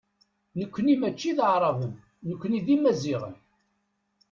Nekkni mačči d Aɛraben, nekkni d Imaziɣen.